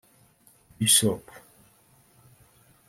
Bishop